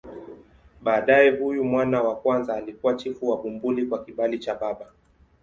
Baadaye huyu mwana wa kwanza alikuwa chifu wa Bumbuli kwa kibali cha baba.